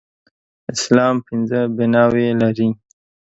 اسلام پنځه بناوې لري